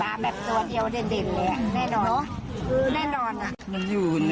หมดทวนเรานะ